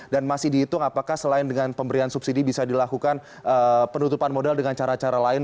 dan masih dihitung apakah selain dengan pemberian subsidi bisa dilakukan penutupan modal dengan cara cara lain